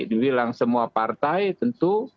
dibilang semua partai tentu